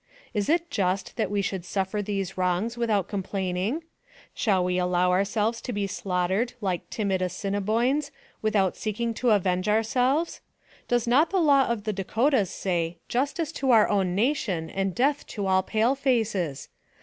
Is it just that we should suffer these wrongs without complaining? Shall we allow ourselves to be slaugh tered like timid Assinneboines, without seking to avenge ourselves? Does not the law of the Dakotas say, Justice to our own nation, and death to all pale faces?